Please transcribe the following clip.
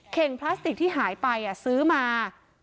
่งพลาสติกที่หายไปซื้อมา